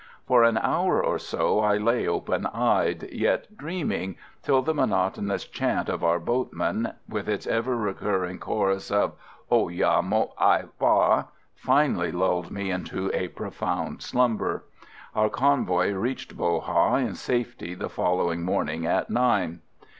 For an hour or so I lay open eyed, yet dreaming, till the monotonous chant of our boatman, with its ever recurring chorus of "Oh! Yah! Mōt Haï Ba!" finally lulled me into a profound slumber. Our convoy reached Bo Ha in safety the following morning at nine.